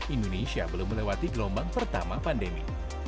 indonesia belum melewati gelombang pertama pandemi